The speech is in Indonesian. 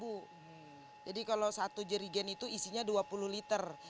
jadi kalau satu jerigen itu isinya dua puluh liter